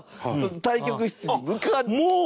対局室に向かって。